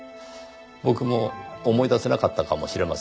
僕も思い出せなかったかもしれません。